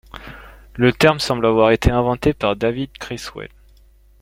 Le terme semble avoir été inventé par David Criswell.